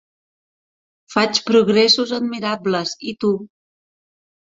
Faig progressos admirables. I tu?